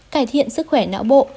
cải thiện sức khỏe não bộ